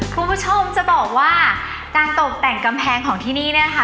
คุณผู้ชมจะบอกว่าการตกแต่งกำแพงของที่นี่เนี่ยนะคะ